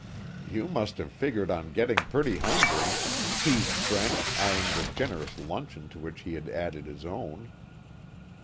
"You must have figured on getting pretty hungry," teased Brent, eying the generous luncheon to which he had added his own.